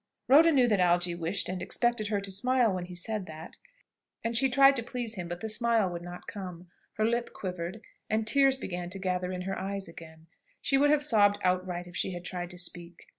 Rhoda knew that Algy wished and expected her to smile when he said that; and she tried to please him, but the smile would not come. Her lip quivered, and tears began to gather in her eyes again. She would have sobbed outright if she had tried to speak.